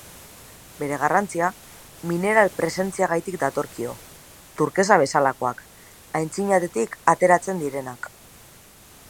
Bere garrantzia, mineral presentziagatik datorkio, turkesa bezalakoak, antzinatetik ateratzen direnak.